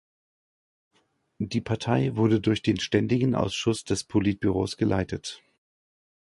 Die Partei wurde durch den Ständigen Ausschuss des Politbüros geleitet.